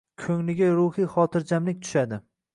ko‘ngliga ruhiy xotirjamlik tushadi.